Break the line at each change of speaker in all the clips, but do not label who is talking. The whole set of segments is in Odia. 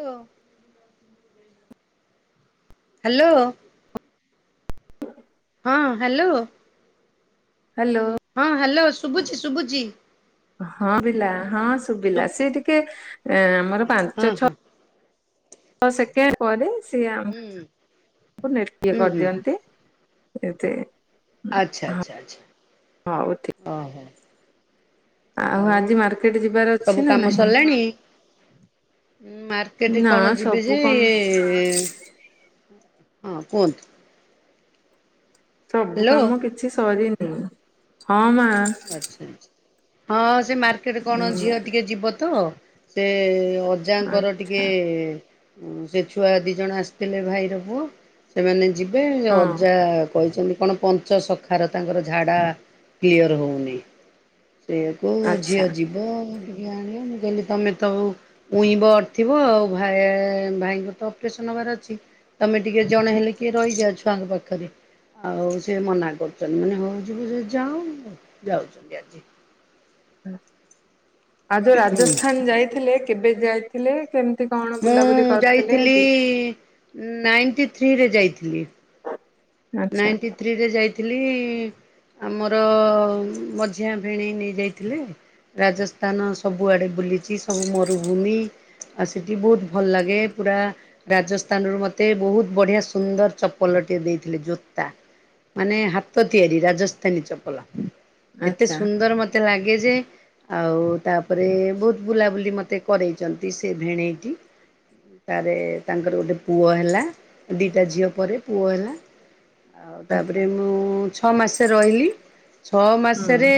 ହଁ।। ହ୍ୟାଲୋ ହଁ ହ୍ୟାଲୋ
ହ୍ୟାଲୋ
ହଁ ହ୍ୟାଲୋ ଶୁଭୁଚି ଶୁଭୁଚି
ହଁ ବିଲା ହଁ ଶୁଭିଲା ସେ ଟିକେ ଆମର
ହଁ
ପାଞ୍ଚ ଛଅ
ହଁ
ହଁ ସେକେ ପରେ
ହୁଁ ହୁଁ ହୁଁ
[inaudible] [inaudible]
ଆଚ୍ଛା
ହଁ
ଆଚ୍ଛା ଆଛା
ହଉ ଠିକ
ଓ ହୋ ଆଉ
ଆଜି ମାର୍କେଟ ଯିବାର ଅଛି
ସବୁ
ନା
କାମ
ନାହିଁ
ସରିଲାଣି ମାର୍କେଟରେ
ନା
କଣ ଯିବେ
ସବୁ
ଯେ
କଣ
ଏ ଏ ହଁ କୁହନ୍ତୁ।।
ସବୁ
ହ୍ୟାଲୋ
କାମ କିଛି ସରିନି ହଁ ମାଆ
ଆଛା ଆଛା ହଁ ସେ ମାର୍କେଟରେ କଣ
ଉଁ,
ଝିଅ ଟିକେ ଯିବ ତ ସେ ଅଜାଙ୍କର ଟିକେ
ଆଚ୍ଛା
ସେ ଛୁଆ ଦୁଇ ଜଣ ଆସିଥିଲେ ଭାଇର ପୁଅ ସେମାନେ ଯିବେ
ହଁ
ଅଜା କହିଛନ୍ତି। କଣ ପଞ୍ଚ ସଖାରେ ତାଙ୍କର ଝାଡା କ୍ଲିୟର ହଉନି [inaudible] ସେ କୋ
ଆଚ୍ଛା
ଝିଅ ଯିବ ଆ ଆଣିବା ମୁଁ କହିଲି ତମେ ତ ଉଇଁବ ଅଟଥିବ ଆଉ ଭାଇ ଭାଇଙ୍କର ତ ଅପରେସନ ହବାର ଅଛି ତମେ ଟିକେ ଜଣେ ହେଲେ କିଏ ରହିଯାଅ ଛୁଆଙ୍କ ପାଖରେ ଆଉ ସେ ମନା କରୁଛନ୍ତି ମାନେ ହଉ ଯିବୁ ସେ ଯାଅ ଯାଉଛନ୍ତି ଆଜି
[inaudible] ଆ ଯୋଉ
ହୁଁ।
ରାଜସ୍ଥାନ ଯାଇଥିଲେ କେବେ ଯାଇଥିଲେ କେମ୍
ମୁଁ ଯାଇଥିଲି ନାଇଣ୍ଟି ଥ୍ରୀରେ ଯାଇଥିଲି।
ଆଚ୍ଛା
ନାଇଣ୍ଟି ଥ୍ରୀରେ ଯାଇଥିଲି ଇ- ଆମର ମଝିଆ ଭେଣେଇ ନେଇଯାଇଥିଲେ ରାଜସ୍ଥାନ ସବୁଆଡ଼େ ବୁଲିଛି ସବୁ ମରୁଭୂମି ଆଉ ସେଠି ବହୁତ ଭଲ ଲାଗେ ପୁରା ରାଜସ୍ଥାନରୁ ମତେ ବହୁତ ବଢ଼ିଆ ସୁନ୍ଦର ଚପଲଟିଏ ଦେଇ ଥିଲେ ଜୋତା ମାନେ ହାତ ତିଆରି ରାଜସ୍ଥାନୀ ଚପଲ। ଏତେ
ଆଚ୍ଛା
ସୁନ୍ଦର ମତେ ଲାଗେ। ଲ ଯେ ଆଉ ତାପରେ ବହୁତ ବୁଲାବୁଲି ମତେ କରରେଇଛନ୍ତି ସେ ଭେଣେଇଟି ତାରେ ତାଙ୍କର ଗୋଟେ ପୁଅ ହେଲା ଦିଟା ଝିଅ ପରେ ପୁଅ ହେଲା। ଆଉ
ଆଚ୍ଛା
ତାପରେ ମୁଁ ଛଅ ମାସ ରହିଲି ଛଅ
ହୁଁ
ମାସରେ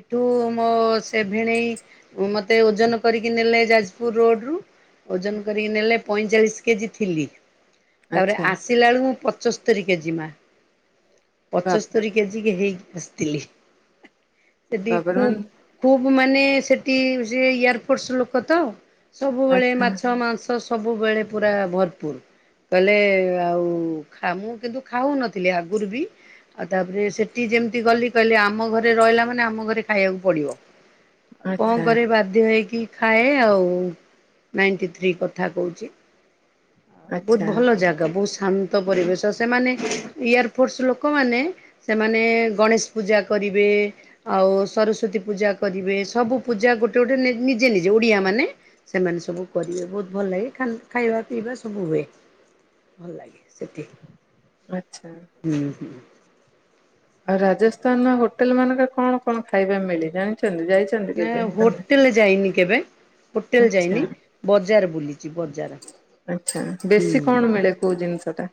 ଏଠୁ ମୋ ସେ ଭେଣେଇ ମୋତେ ଓଜନ କରିକି ନେଲେ ଯାଜପୁର ରୋଡ଼ରୁ ଓଜନ କରିକି ନେଲେ ପଇଁଚାଳିଶ କେଜି ଥିଲି। ତାପରେ
ଆଚ୍ଛା
ଆସିଲା ବେଳକୁ ପ ଚସ୍ତରି କେଜିମା।
ବାବାରେ
ପଞ୍ଚସ୍ତୋରୀ କେଜି କେ ହେଇି ବସ୍ ତିଲି ସେଠି ଖୁବ ଖୁବ। ମାନେ ସେଠି ସେ ଏୟାର ଫୋର୍ସ ଲୋକ ତ? ସବୁବେଳେ ମାଛ ମାଂସ। ତ ସବୁବେଳେ ପୁରା ଭରପୁର। କହିଲେ ଆଉ ଖା ମୁଁ କିନ୍ତୁ ଖାଉନଥିଲି ଆଗରୁ ବି ଆଉ ତାପରେ ସେଠି ଯେମିତି ଗଲି କହିଲେ ଆମ ଘରେ ରହିଲା ମାନେ ଆମ ଘରେ ଖାଇବାକୁ ପଡିବ। କଣ କରିବି ବାଧ୍ୟ ହେଇକି ଖାଏ ଆଉ ନାଇଣ୍ଟି ଥ୍ରୀ କଥା କହୁଛି। ବହୁତ ଭଲ ଜାଗା ବହୁତ। ଶାନ୍ତ ପରିବେଶ ସେମାନେ ଇୟାର ଫୋର୍ସ ଲୋକମାନେ ସେମାନେ ଗଣେଶ ପୂଜା କରିବେ ଆଉ ସରସ୍ଵତୀ ପୂଜା କରିବେ ସବୁ ପୂଜା ଗୋଟେ ଗୋଟେ ନିଜେ ନିଜେ ଓଡ଼ିଆ ମାନେ ସେମାନେ ସବୁ କରିବେ ବହୁତ ଭଲ ଲାଗେ ଖାଇବା ପିଇବା ସବୁ ହୁଏ। ଭଲ ଲାଗେ ସେଠି।
ଆଚ୍ଛା।
ହୁଁ ହୁଁ।
ଆଉ ରାଜସ୍ଥାନ ହୋଟେଲ ମାନଙ୍କରେ କଣ କଣ ଖାଇବା ମିଳି ଜାଣି
ନା ହୋଟେଲ ଯାଇନି କେବେ ହୋଟେଲ
ଆଚ୍ଛା
ଯାଇନି ବଜାର ବୁଲିଛି ବଜାର
ଆଚ୍ଛା ବେଶୀ
ହୁ।
କଣ ମିଳେ କୋଉ ଜିନିଷ ଟା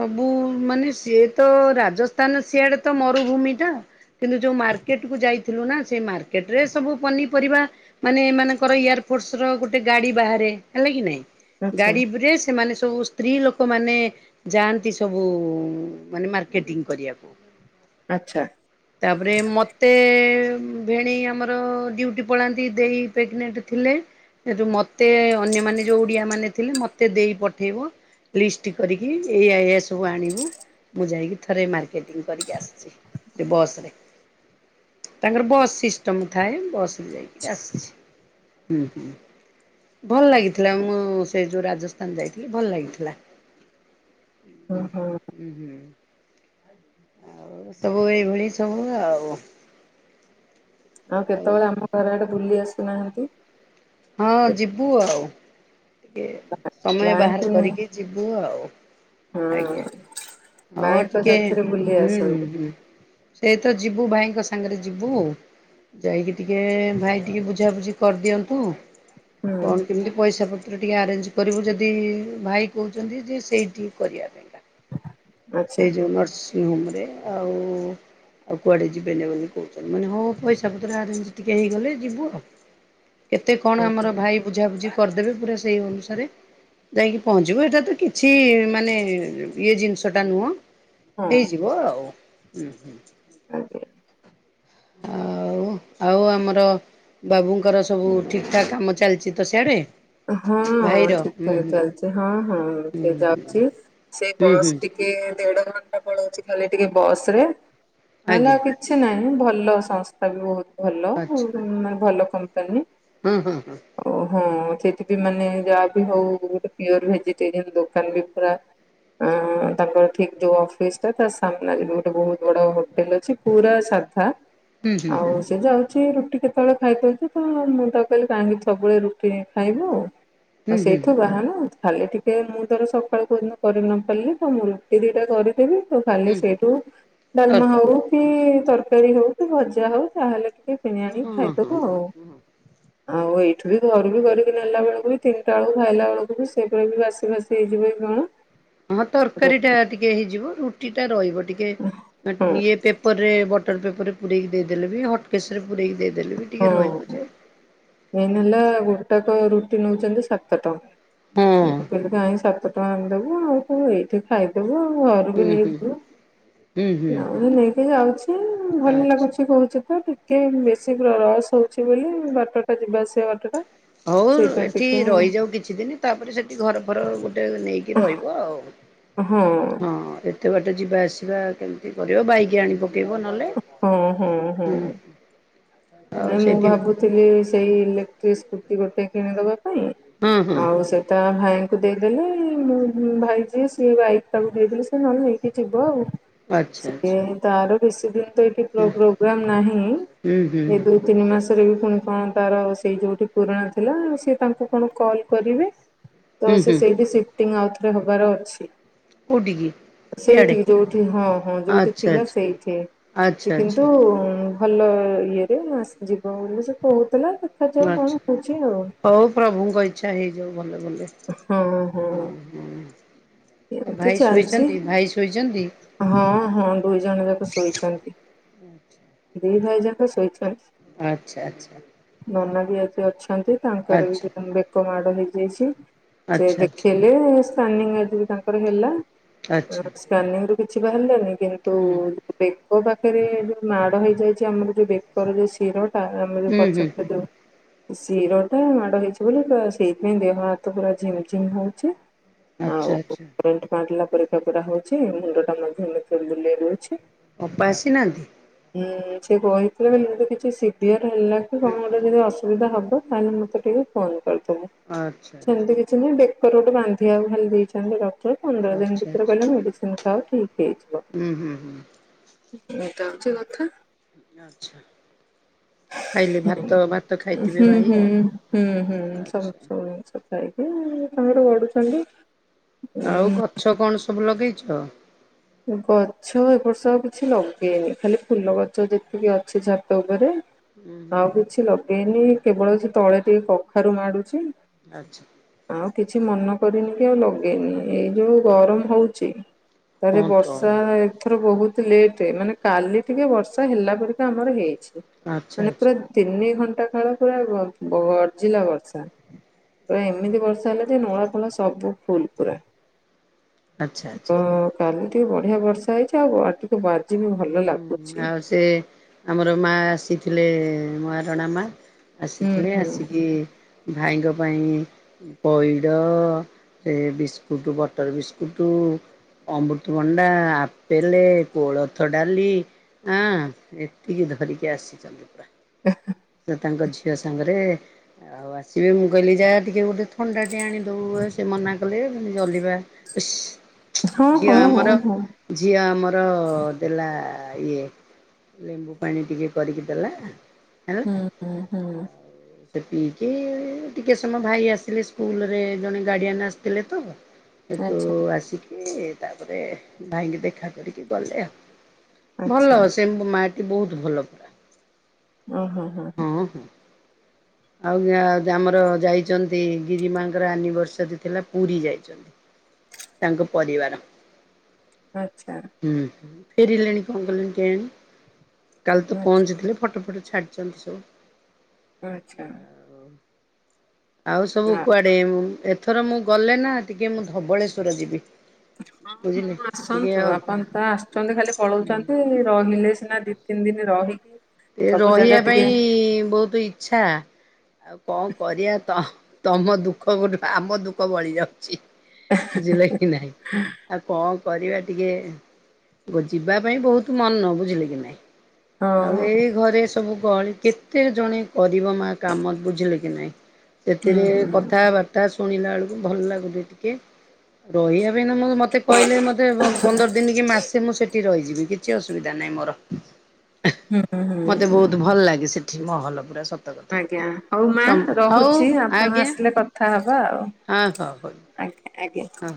ସବୁ ମାନେ ସିଏ ତ ରାଜସ୍ଥାନ ସିଆଡେ ତ ମରୁଭୂମିଟା କିନ୍ତୁ ଯୋଉ ମାର୍କେଟ କୁ ଯାଇଥିଲୁ ନା ସେ ମାର୍କେଟ ରେ ସବୁ ପନିପରିବା ମାନେ ଏମାନଙ୍କର ଇୟାର ଫୋର୍ସ ର ଗୋଟେ ଗାଡି ବାହାରେ ହେଲା କି ନାଇଁ।
ଆଚ୍ଛା
ଗାଡିଵ୍ ରେ ସେମାନେ ସବୁ ସ୍ତ୍ରୀ ଲୋକମାନେ- ଯାଆନ୍ତି ସବୁ ମାନେ ମାର୍କେଟିଂ କରିବାକୁ।
ଆଚ୍ଛା।
ତାପରେ ମତେ ଏ- ଭେଣେଇ ଆମର ଡିଉଟି ପଳାନ୍ତି ଦେଇ ପ୍ରେଗନେଣ୍ଟ ଥିଲେ ମତେ ଅନ୍ୟମାନେ ଯୋଉ ଓଡିଆ ମାନେ ଥିଲେ ମତେ ଦେଇ ପଠେଇବ ଲିଷ୍ଟ କରି ଏୟା ଏୟା ସବୁ ଆଣିବୁ ମୁଁ ଯାଇକି ଥରେ ମାର୍କେଟି କରିକି ଆସିଛି ସେ ବସରେ ତାଙ୍କର ବସ୍ ସିଷ୍ଟମ ଥାଏ ବସରେ ଯାଇକି ଆସିଛିଁ ହୁଁ ଭଲ ଲାଗିଥିଲା ମୁଁ ସେ ଯୋଉ ରାଜସ୍ଥାନ ଯାଇଥିଲି ଭଲ ଲାଗିଥିଲା।। ଉ
ଓହୋ
ହୁଁ ହୁଁ। ଆଉ ସବୁ ଏଇଭଳି ସବୁ ଆଉ।
ଆଉ କେତେବେଳେ ଆମ ଘରଆଡେ ବୁଲି ଆସୁନାହାନ୍ତି।
ହଁ ଯିବୁ ଆଉ ଟିକେ ସମୟ
ଭାଇଙ୍କୁ
ବାହାର
ନେଇ
କରିକି ଯିବୁ ଆଉ।
ହଁ
ଆଜ୍ଞା [inaudible] ହଁ
ଭାଇଙ୍କ
ଟିକେ
ସାଥିରେ ବୁଲି
ହୁଁ ହଁ
ଆସନ୍ତୁ
ହୁଁ ସେ ତ ଯିବୁ ଭାଇ ତାଙ୍କ ସାଙ୍ଗରେ ଯିବୁ ଆଉ ଯାଇକି ଟିକେ ଭାଇ ଟିକେ ବୁଝାବୁଝି କରିଦିଅନ୍ତୁ।
ହୁଁ
କଣ କେମିତି ପଇସା ପ ପତ୍ର ଟିକିେ ଆରେଞ୍ଜ କରିବୁ ଯଦି ଭାଇ କହୁଛନ୍ତି ଯେ ସେଇଠିକି କରିବା ପାଇଁକା। [inaudible]
ଆଚ୍ଛା
ସେଇ ଯୋଉ ନର୍ସ ହୋମରେ ଆଉ ଆଉ କୁଆଡ଼େ ଯିବେନି ବୋଲି କହୁଛନ୍ତି। ମାନେ ହଁ ପଇସା ପତ୍ର ଆରେଞ ଟିକେ ହେଇଗଲେ ଯିବୁ ଆଉ। ଏତେ କଣ ଆମର
ଆଚ୍ଛା
ଭାଇ ବୁଝାବୁଝି କରିଦେବେ ପୁରା ସେଇ ଅନୁସାରେ ଯାଇକି ପହଞ୍ଚିବୁ ଏଇଟା ତ କିଛି ମାନେ ଇଏ ଜିନିଷ ଟା ନୁହଁ। ହେଇଯିବ ଆଉ। ହୁଁ ହୁଁ।
ଆଗ୳୲।
ଆଉ ଆଉ ଆମର ବାବୁଙ୍କର ସବୁ ଠିକ ଠାକ୍ କାମ ଚାଲିଛି ତ ସିଆଡେ।
ହଁ ଠିକ ଠାକ ଚାଲିଛି ହଁ ହଁ
ହୁଁ
ସେ ଯାଉଛି ସେ
ହୁଁ
ବସ୍
ହୁଁ
ଟିକେ ଦେଢ ଘଣ୍ଟା ପଳଉଚି ଗଲେ ଟିକେ ବସ ରେ ନହେଲେ
ଆଜ୍ଞା
ଆଉ କିଛି ନାହିଁ ଭଲ ସଂସ୍ଥା ବି ବହୁତ ଭଲ ମାନେ ଭଲ କମ୍ପାନୀ
ହୁଁ ହୁଁ ହୁଁ।
ଓ ହଁ ଚି ମାନେ ଯାହା ବି ହଉ ଗୋଟେ ପିଓର ଭେଜିଟେରିଆନ ଦୋକାନ ବି ପୁରା ତାଙ୍କର ଠିକ ଯୋଉ ଅଫିସ ଟା ତା ସାମ୍ନାରେ ବି ଗୋଟେ ବହୁତ ବଡ ଫେଲ ଅଛି ପୁରା ସାଧା
ହୁଁ ହୁଁ
ଆଉ ସେ ଯାଉଛି ର ସେ କେତେବେଳେ ଖାଇଛନ୍ତି ତ ମୁଁ ତ କହିଲି କାହିଁକି ସବୁବେଳେ ରୁଟି ଖାଇବୁ।
ହୁଁ
ତ
ହୁଁ ହୁଁ
ସେଇଠୁ ବାହାନ ଖାଲି ଟିକେ ମୁଣ୍ଡରେ ସଫା କରି ନ ପାରିଲେ ତ ମୁଁ ରୁଟି ଦୁଟା କରିଦେବି। ଖାଲି
ହୁଁ
ସେଇଠୁ ଡାଲମା ହଉ
ତରକାରୀ
କି ତର ତରକାରୀ ହଉ କି ଭଜା ହଉ ତାହେଲେ ସେ କିଣି
ହଁ
ଆଣି
ହଁ ହଁ
ଖାଇଦବ ଆଉ। ଆଉ ଏଇଠୁ ବି ଘର ବି କରି ନେଲା ବେଳକୁ ବି ତିନିଟା ବେଳକୁ ଖାଇଲା ବେଳକୁ ବି ସେଟା ବି ବାସି ଫାସି ହେଇଯିବ କି କଣ?
ହଁ ତରକାରୀ ଟା ଟିକେ ହେଇଯିବ ରୁ ରୁଟି ଟା ରହିବ। ଟିକେ
ହଁ
ଇଏ ମ୍ ପେପରରେ ବଟା କାଗଜ ରେ ପୁରେଇକି ଦେଇ ଦେଲେ ବି ହଟ୍ କେସରେ ପୁରେଇକୀ ଦେଇ
ହୁଁ ମେନ ହେଲା ଗୋଟାକ ନଉଛନ୍ତି ସାତ ଟଙ୍କା।
ହଁ
ମୁଁ କହିଲି କଣ ସାତ ଆଣି ଦବୁ ଆଉ ସବୁ ଏଇଠି ଖାଇଦବୁ ଆଉ କ ଘରୁକୁ
ହୁଁ ହୁଁ
ନେଇଯିବୁ।
ହୁଁ ହୁଁ ହୁଁ
ଆଉ ନେଇକି ଯାଉଛି ଭଲ
ଆଚ୍ଛା।
ଲାଗୁଛି କହୁଛି ତ ଟି ଟିକେ ବେଶି ରସ ହଉଛି ବୋଲି ବାଟ ଟା ଯିବା ଆସିବା ବାଟ ଟା
ହଉ
ସେଇଟା
ଏଠି
ଟିକେ
ରହିଯାଉ କିଛି ଦିନ ତାପରେ ସେଠି ଘର ଫର ନେଇକି ରହିବ ଆଉ
ହଁ
ହଁ ଏତେ ବାଟେ ଯିବା ଆସ ଆସିବା କେମିତି କରିବ ବାଇକି ଆଣିବ।
ହଁ ହଁ ହଁ।
ଆଉ
ନାଇଁ ମୁଁ
ସେଇଠି
ଭାବୁଥିଲି ସେଇ ଦୁଇ ସ୍କୁଟି ଗୋଟେ କିଣିଦବ।
ହଁ ହଁ।
ଆଉ ସେଟ ଭାଇଙ୍କୁ ଦେଇ ଦେଲେ ମୁଁ ଭାଇ ଯିଏ ସିଏ ବାଇକ ଟାକୁ ଦେଇଦେଲି ସେ ନହେଲେ ନେଇକି ଯିବ ଆଉ।
ଆଚ୍ଛା
ସେ
ଆଚ୍ଛା
ତାର ବେଶି ଦିନ୍ ଏଠି ପ୍ରୋ ପ୍ରୋଗ୍ରାମ ନାହିଁ।
ହୁଁ ହୁଁ
ଏଇ ଦୁଇ ତିିନି ମାସ ପୁଣି କଣ ତାର ସେଇ ଯୋଉଠି ପୁରୁଣା ଥିଲା ସି ତାଙ୍କୁ କଣ କଲ୍ କରିବେ। ତ
ହୁଁ
ସେ
ହୁଁ
ସେଇଠି ସିଫ୍ଟିଙ୍ଗ ଆଉ ଏ ହବାର ଅଛି।
କୋଉଠିକି? ଇଆଡ଼େ
ସେଇଠି ଯୋଉଠି ହଁ ହଁ ଯୋଉଠି
ଆଚ୍ଛା
ଥିଲା
ଆଚ୍ଛା
ସେଇଠି
ଆଚ୍ଛା
ସେ କିନ୍ତୁ ହାଲୋ ଇଏରେ ଯିବ ବୋଲି ସେ ବହୁତ।
ଆଛା ହଉ ପ୍ରଭୁଙ୍କ ଇଚ୍ଛା ହେଇଯାଉ ଭଲରେ ଭଲରେ।
ହୋ ହୋ
ଓହୋ ଆଉ
ଏମିତି
ଭାଇ
ଚାଲିଛି
ଶୋଇଛନ୍ତି ଭାଇ ଶୋଇଛନ୍ତି
ହଁ ହଁ ଦୁଇ ଜଣ ଯାକ ଶୋଇଛନ୍ତି। ଦିଇ ଭାଇ ଯାକ ଶୋଇଛନ୍ତି।
ଆଛା ଆଛା।
ନା ମୁଁ ବି ଆଜି ଅଛି। ଛନ୍ତି ତାଙ୍କର ବି ବେକ ମାର୍ ପନିର ଦେଇଛି। ସେୟା ଦେଖେଇଲୁ ଉସ୍ ନାନୀଙ୍କ ଏଥୁରୁ ତାଙ୍କର ହେଲା। ତାଙ୍କ ସ୍କାନିଂ କିଛି ବାହାରିଲାନି? କିନ୍ତୁ
ହୁଁ
[unintelligible] ମୋ ପାଖରେ ଯୋଉ ମାଡ ହେଇଯାଇଛି ଆମର ଯୋଉ ବେକର ଯୋଉ ଶିର ହଁ ଆମେ
ହୁଁ ହୁଁ
ପଛ
ହୁଁ
[unintelligible] ଶିର ଟା ମାଡ଼ ହେଇଛି ବୋଲି ତ ସେଇଥିପାଇଁ ଦେହହା ତ ପୁରା ଝିମ୍ ଝିମ୍ ହଉଛି। ନା
ଆଚ୍ଛା
ଆଉ
ଆଚ୍ଛା
ଟ୍ରେଣ୍ଟ [unintelligible] ଲା ପୁରାତ ପୁରା ହଉଛି ମୁଣ୍ଡଟା ମଧ୍ୟ୍ୟ [unintelligible] ବୁଲେଇ ଦଉଛି।
ଅପା ଆସିନାହାଁନ୍ତି?
ହୁଁ ସେ କହିଥିଲେ ଖାଲି ଗୋଟେ କିଛି ସିଭିଅର ହେଲା କି କଣ ଗୋଟେ ଯଦି ଅସୁ ଯେବେ ହବ ତାହେଲେ ମତେ ଟିକେ ଫୋନ କରି
ଆଚ୍ଛା। ଆଚ୍ଛା
ସେମିତି କିଛି ନାହିଁ ଦେଖ୍ ତୋର ଗୋଟେ ବାନ୍ଧିିବାକୁ ଖାଲି ଦେଇଛନ୍ତି ରକ୍ ସିଏ ପନ୍ଦର ଦିନ
ଆଚ୍ଛା
ଭିତରେ
ଆଚ୍ଛା
ଗଲେ ମେଡିସିନ ହଉ ଠିକ୍।
ହୁଁ ହୁଁ ହୁଁ।
ଏଟା ହଉଛି କଥା।
ଆଚ୍ଛା।
ହୁଁ ହୁଁ
ଖାଇଲେ ଭାତ
ହୁଁ
ଭାତ
ହୁଁ
ଖାଇଥିବେ ଭାଇ ଆଉ
ସବୁ ସବୁୁ
ଆଚ୍ଛା।
ଜିନିଷ। ଭାଇ
ଆଉ ଗଛ କଣ ସବୁ ଲଗେଇଛୁ? ଛଅ
ଗଛ ଏ ବର୍ଷ ଆଉ କିଛି ଲଗେଇନି ଖାଲି ଫୁଲ ଗଛ ଯେତିକି ଅଛି ଛାତ ଉପରେ। ଆଉ କିଛି ଲଗେଇନି। ଏ କେବଳ ସେ ତଳେ ଟିକେ କଖାରୁ ମାଡୁଛି।
ଆଚ୍ଛା।
ଆଉ କିଛି ମନ କରିନି କି ଆଉ ଲଗେଇନି ଏଇ ଯୋଉ ଗରମ ହଉଚି। ତାହେଲେ
ହଁ ତ
ବର୍ଷା ଏଥର ବହୁତ ବହୁ ଲେଟ୍ ମାନେ କାଲି ଟିକେ ବର୍ଷା ହେଲା ପରିକା ଆମର ହେଇଛି।
ଆଚ୍ଛା
ମାନେ
ଆଚ୍ଛା
ପୁରା ତିନି ଘଣ୍ଟ କଟା କାଳ ପୁରା ଗର୍ଜିଲା ବର୍ଷ [unintelligible] ଏମିତି ବର୍ଷା ହେଲା ଯେ ନଳା ଫଳା ସବୁ ଫୁଲ ପୁରା।
ଆଚ୍ଛା
[unintelligible]
ଆଚ୍ଛା।
କାଲି ଟିକେ ବଢିଆ ବର୍ଷା ହେଇଛି ଆଉ ଆ ଆଜି ବି ଭଲ
ହୁଁ
ଲାଗୁଛି।
ଆଉ ସେ ଆମର ମା ଆସି ଥିଲେ ନୂଆଁ ପଡ଼ା ମା
ହୁଁ
ଆସିଥିଲେ
ହୁଁ
ଆସିକି ଭାଇଙ୍କ ପାଇଁ ପଇଡ଼ ସେ ବିସ୍କୁଟ ବଟର୍ ବିସ୍କୁଟ ଅମୃତଭଣ୍ଡା ଆପେଲ୍ କୋଳ ଳଥ ଡାଲି ଆଁ ଏତିକି ଧରିକି ଆସିଛନ୍ତି ପୁରା। ସେ ତାଙ୍କ ଝି ଝିଅ ସାଙ୍ଗରେ ଆଉ ଆସିବି ମୁଁ କହିଲି ଯାହା ଟିକେ ଗୋଟେ ଥଣ୍ଡା ଟେ ଆଣିଦଉ ସେ ମନା କଲେ ମେ ଜଲିବା ସୁ ଝିଅ
ହଁ ହଁ
ଆମର
ହଁ
ଝିଅ ଆମର ଇଏ ଲେମ୍ବୁ ପାଣି ଟିକେ କରିକି ଦେଲା। ହେଲା
ହୁଁ ହୁଁ ହୁଁ।
ପିଇକି ଟିକେ ସମୟ ଭାଇ ଆସିଲେ ସ୍କୁଲରେ ଜଣେ ଗାର୍ଡିଆନ ଆସିଥିଲେ ତ ସେଠୁ
ଆଚ୍ଛା।
ଆସି କି ତାପରେ ଭାଇଙ୍କି ଦେଖା କରିକି ଗଲେ ଆଉ। ଭଲ
ଆଚ୍ଛା
ସେ ମା ବହୁତ ଭଲ ପୁରା
ଓହୋ ହୋ
ହଁ ହଁ। ଆଉ ଆମର ଯାଇଛନ୍ତି ଗିରିମାଙ୍କର ଆନିଭର୍ସରୀ ଥିଲା ପୁରୀ ଯାଇଛନ୍ତି ତାଙ୍କ ପରିବାର।
ଆଚ୍ଛା।
ଫେରିଲେନି କଣ କଲେଣି କେଆଣି। କାଲି ତ
ଆଚ୍ଛା
ପହଞ୍ଚିଥିଲେ ଫଟୋ ଫଟ ଛାଡ଼ଛନ୍ତି ସବୁ।
ଆଛା।
ଆଉ ସବୁ କୁଆଡେ ଥର ମୁଁ ଗଲେ ନା ଟିକେ ମୁଁ ଧବଳେଶ୍ୱର ଯିବି।
ହଁ
ବୁଝିଲେ
ହଁ
ଟିକେ
ଆସନ୍ତୁ ଆପଣ ତ ଆସୁଛନ୍ତି ଖାଲି
ଟିକେ
ପଳଉଛନ୍ତି ରହିଲେ ସିନା ଦି ତିନି ଦିନ ରହିି
ଏ ରହିବା ପାଇଁ ବହୁତ ଇଚ୍ଛା ଆଉ କଣ କରିବା ତ ତମ ଦୁଃଖ ଗୋଟୁ ଆମ ଦୁଃଖ ବଳିଯାଉ ଚି ବୁଝିଲେ କି ନାଇଁ ଆଉ କଣ କରିବା ଟିକେ ଯିବା ପାଇଁ ବହୁତ ମନ ବୁଝିଲେ କି ନାହିଁ। ଆଉ
ହଁ
ଏଇ ଘରେ ସବୁ ଗହଳି କେତେ ଜଣେ କରିବ ମା କାମ ବୁଝିଲେ କି ନାଇଁ।
ହୁଁ
ସେଥିରେ କଥାବାର୍ତ୍ତା ଶୁଣିଲା ବେଳକୁ ଭଲ ଲାଗୁଛି ଟିକେ ରହିବା ମୁଁ ମତେ କହିଲେ ମତେ ପନ୍ଦର ଦିନ କି ମାସେ ମୁଁ ସେଠି ରହି ଯିବି କିଛି ଅସୁବିଧା ନାହିଁ ମୋର।
ହୁଁ ହୁଁ
ମତେ
ହୁଁ।
ବହୁତ ଭଲ ଲାଗେ ସେଟା ମହଲ ପୁରା କଥା।
ଆଜ୍ଞା ହଉ ମା
ସମ ହଉ
ରହୁଛି ଆପଣ
ଆଜ୍ଞା
ଆସିଲେ କଥା ହବା ଆଉ
ହଁ ହଉ ହଉ
ଆଜ୍ଞା। ଆଜ୍ଞା।
ହଁ।